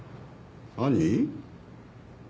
何？